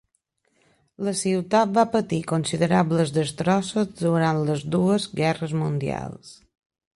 La ciutat va patir considerables destrosses durant les dues guerres mundials.